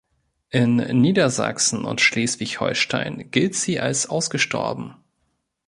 In Niedersachsen und Schleswig-Holstein gilt sie als ausgestorben.